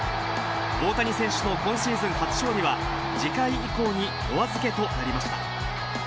大谷選手の今シーズン初勝利は、次回以降にお預けとなりました。